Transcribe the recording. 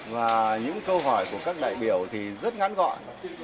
và những câu hỏi của các đại biểu thì rất ngắn gọn